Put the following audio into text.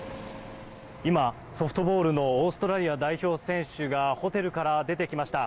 今、ソフトボールのオーストラリア代表選手がホテルから出てきました。